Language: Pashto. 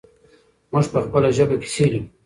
موږ په خپله ژبه کیسې لیکو.